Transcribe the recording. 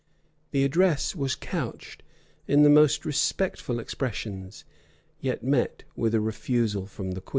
The address was couched in the most respectful expressions, yet met with a refusal from the queen.